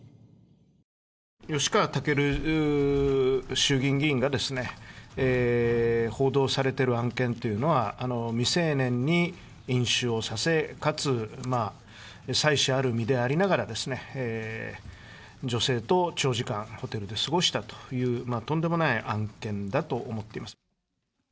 吉川赳衆議院議員が報道されている案件というのは、未成年に飲酒をさせ、かつ、まあ、妻子ある身でありながら、女性と長時間ホテルで過ごしたという、とんでもない案件だと思っています。